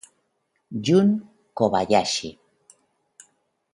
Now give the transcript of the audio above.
Jun Kobayashi